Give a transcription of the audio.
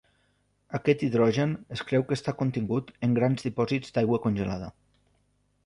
Aquest hidrogen es creu que està contingut en grans dipòsits d'aigua congelada.